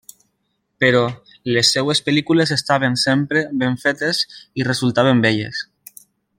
Però, les seves pel·lícules estaven sempre ben fetes i resultaven belles.